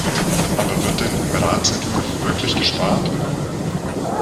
Aber wird denn im Ratsentwurf wirklich gespart?